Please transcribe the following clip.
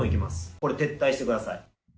これ、撤退してください。